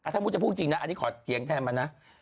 ถ้ามุติจะพูดจริงนะอันนี้ขอเถียงแทนมานะ